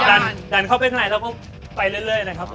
ดันเข้าไปเครื่องไหร่แล้วก็ไปเรื่อยเลยนะครับ